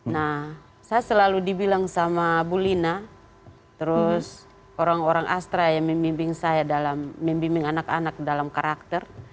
nah saya selalu dibilang sama bu lina terus orang orang astra yang membimbing saya dalam membimbing anak anak dalam karakter